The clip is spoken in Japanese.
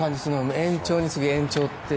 延長に次ぐ延長って。